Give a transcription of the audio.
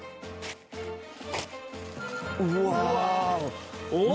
うわ！